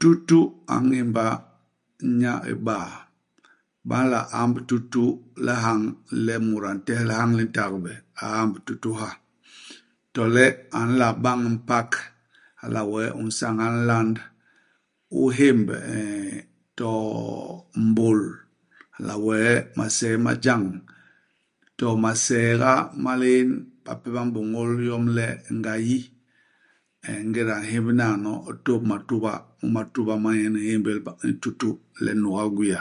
Tutu a ñémba nya iba. Ba nla amb tutu i lihañ, le mut a ntéhé lihañ li ntagbe, a amb tutu ha. To le a nla bañ mpak. Hala wee u nsañal nland, u hémb nn to mbôl; hala wee masee ma jañ. To masee nga ma lién. Bape ba m'bôñôl yom le ngayi. Eeh ingéda u nhémb, naano u tôp matuba. Mu imatuba nyen u ñémbél ba nn tutu le nuga i gwia.